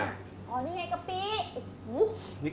โว้ยยยยยยยมีกะปิเหรอ